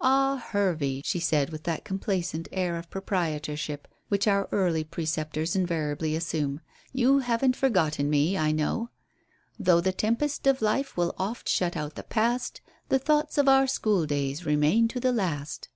"Ah, Hervey," she said, with that complacent air of proprietorship which our early preceptors invariably assume, "you haven't forgotten me, I know. 'Though the tempest of life will oft shut out the past, The thoughts of our school days remain to the last.'"